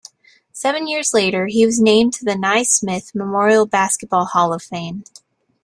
Seven years later he was named to the Naismith Memorial Basketball Hall of Fame.